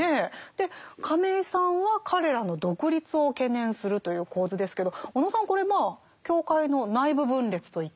で亀井さんは彼らの独立を懸念するという構図ですけど小野さんこれ教会の内部分裂と言って。